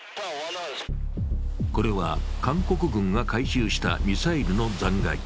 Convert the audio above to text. これは韓国軍が回収したミサイルの残骸。